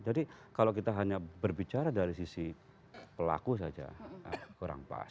jadi kalau kita hanya berbicara dari sisi pelaku saja kurang pas